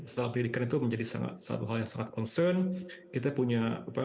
soal pendidikan itu menjadi hal yang sangat terkhawatir